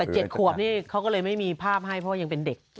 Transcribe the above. ๗ขวบนี่เขาก็เลยไม่มีภาพให้เพราะว่ายังเป็นเด็ก